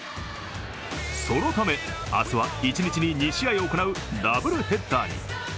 そのため、明日は１日に２試合行うダブルヘッダーに。